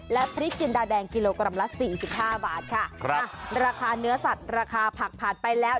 และพริกจีนดาแดงกิโลกรัมละ๔๕บาทค่ะราคาเนื้อสัตว์ราคาผักผ่านไปแล้ว